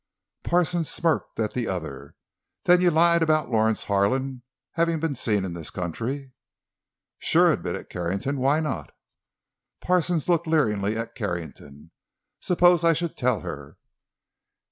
Parsons smirked at the other. "Then you lied about Lawrence Harlan having been seen in this country?" "Sure," admitted Carrington. "Why not?" Parsons looked leeringly at Carrington. "Suppose I should tell her?"